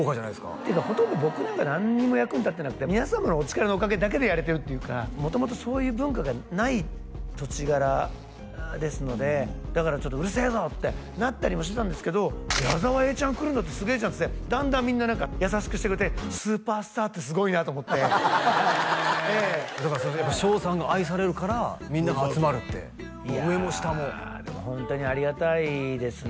っていうかほとんど僕なんか何にも役に立ってなくて皆様のお力のおかげだけでやれてるっていうか元々そういう文化がない土地柄ですのでだからちょっとうるせえぞ！ってなったりもしてたんですけど「矢沢永ちゃん来るんだってすげえじゃん」っつってだんだんみんな何か優しくしてくれてスーパースターってすごいなと思ってだからそれはやっぱ翔さんが愛されるからみんなが集まるって上も下もでもホントにありがたいですね